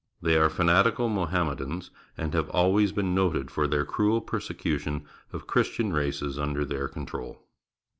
They are fanatical Mohammedans and have always been noted for their cruel persecution of Christian races under their control.